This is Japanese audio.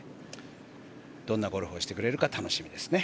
どんなゴルフをしてくれるか楽しみですね。